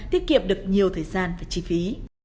tiết kiệm được nhiều thời gian và chi phí